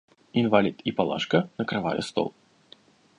Инвалид и Палашка накрывали стол.